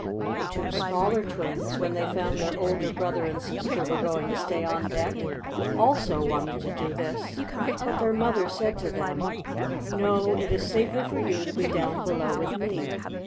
The two smaller twins, when they found their older brother and sister were going to stay on deck, also wanted to do this, but their mother said to them: "No, it is safer for you to be down below with me.